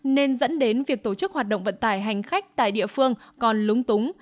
nên dẫn đến việc tổ chức hoạt động vận tải hành khách tại địa phương còn lúng túng